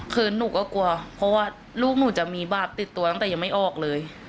คือหนูก็กลัวเพราะว่าลูกหนูจะมีบาปติดตัวตั้งแต่ยังไม่ออกเลย